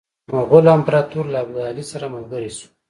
مغول امپراطور له ابدالي سره ملګری شو.